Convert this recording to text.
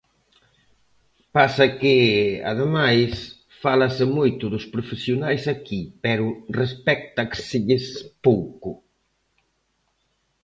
Pasa que, ademais, fálase moito dos profesionais aquí, pero respectáselles pouco.